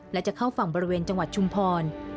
และจะเข้าฝั่งบริเวณจังหวัดชุมพร